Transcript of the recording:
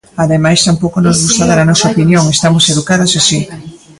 Ademais tampouco nos gusta dar a nosa opinión, estamos educadas así.